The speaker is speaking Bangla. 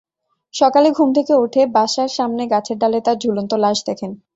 সকালে ঘুম থেকে ওঠে বাসার সামনে গাছের ডালে তার ঝুলন্ত লাশ দেখেন।